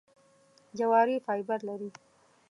جواري فایبر لري .